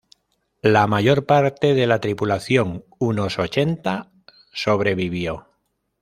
La mayor parte de la tripulación —unos ochenta— sobrevivió.